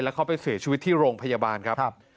แล้วเขาไปเสียชีวิตที่โรงพยาบาลครับ